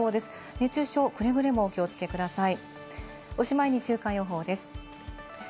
熱中症くれぐれもお気をつけください。